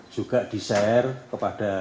juga di share kepada